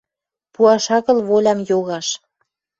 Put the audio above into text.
Пуаш агыл волям йогаш